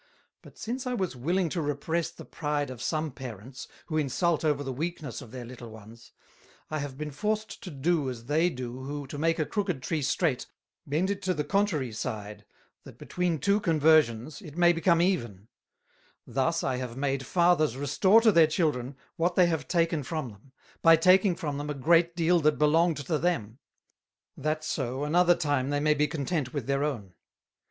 But since I was willing to repress the Pride of some Parents, who insult over the weakness of their little Ones; I have been forced to do as they do who to make a crooked Tree streight bend it to the contrary side, that betwixt two Conversions it may become even: Thus I have made Fathers restore to their Children what they have taken from them, by taking from them a great deal that belonged to them; that so another time they may be content with their own.